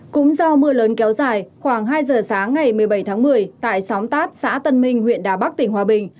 cũng do mưa lớn kéo dài khoảng hai giờ sáng ngày một mươi bảy tháng một mươi tại xóm tát xã tân minh huyện đà bắc tỉnh hòa bình